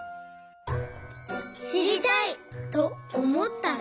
「しりたい！」とおもったら。